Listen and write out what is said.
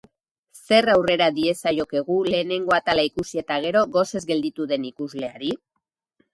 Zer aurrera diezaiokegu lehenengo atala ikusi eta gero gosez gelditu den ikusleari?